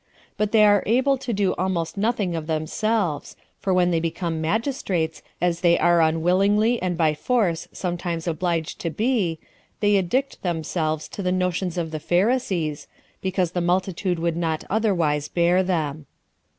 But they are able to do almost nothing of themselves; for when they become magistrates, as they are unwillingly and by force sometimes obliged to be, they addict themselves to the notions of the Pharisees, because the multitude would not otherwise bear them.